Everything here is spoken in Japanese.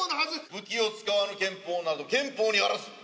武器を使わぬ拳法など拳法にあらず。